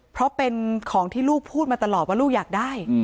เพราะเป็นของที่ลูกพูดมาตลอดว่าลูกอยากได้